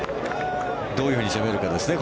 どういうふうに攻めるかですね。